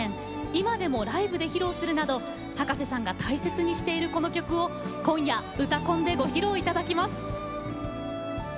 今でもライブで披露するなど葉加瀬さんが大切にしているこの曲を今夜「うたコン」でご披露いただきます。